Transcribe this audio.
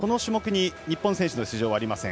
Ｓ９のクラス、この種目に日本選手の出場はありません。